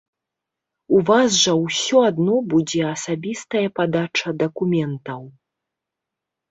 У вас жа ўсё адно будзе асабістая падача дакументаў.